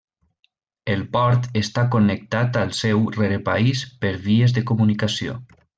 El port està connectat al seu rerepaís per vies de comunicació.